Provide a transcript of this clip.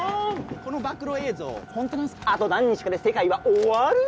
この暴露映像ホントなんですかあと何日かで世界は終わる？